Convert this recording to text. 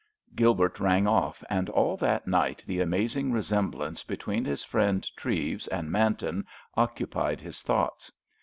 Gilbert rang off, and all that night the amazing resemblance between his friend Treves and Manton occupied his thoughts.